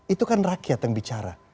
itu kan rakyat yang bicara